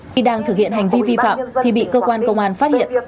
khi đang thực hiện hành vi vi phạm thì bị cơ quan công an phát hiện